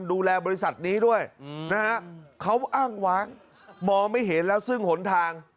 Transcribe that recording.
ดูแลบริษัทนี้ด้วยนะฮะเขาอ้างว้างมองไม่เห็นแล้วซึ่งหนทาง